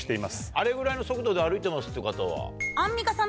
あれぐらいの速度で歩いてますっていう方は？